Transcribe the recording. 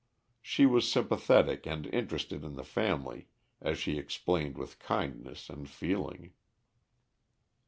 She was sympathetic and interested in the family, as she explained with kindness and feeling.